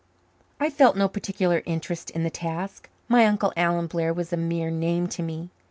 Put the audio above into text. I felt no particular interest in the task. My Uncle Alan Blair was a mere name to me.